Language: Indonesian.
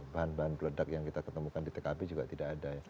bahan bahan peledak yang kita ketemukan di tkp juga tidak ada